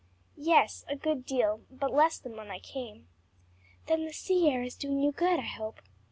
"Yes, a good deal, but less than when I came." "Then the sea air is doing you good, I hope."